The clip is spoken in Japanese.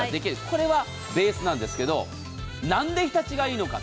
これはベースなんですが何で日立がいいのか。